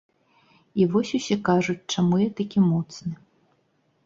І вось усе кажуць, чаму я такі моцны.